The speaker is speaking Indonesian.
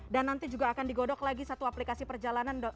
dan nanti juga akan digodok lagi satu aplikasi perjalanan yang digodok